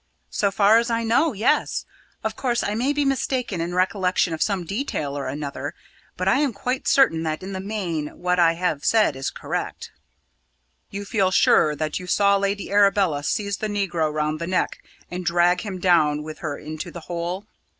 "So far as I know, yes. Of course I may be mistaken in recollection of some detail or another, but I am certain that in the main what I have said is correct." "You feel sure that you saw Lady Arabella seize the negro round the neck, and drag him down with her into the hole?"